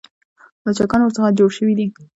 لوچکان ورڅخه جوړ شوي دي.